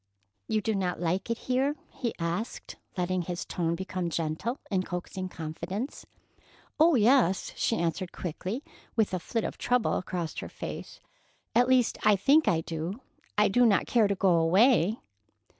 "You do not like it here?" he asked, letting his tone become gentle, in coaxing confidence. "Oh, yes," she answered quickly, with a flit of trouble across her face. "At least, I think I do. I do not care to go away."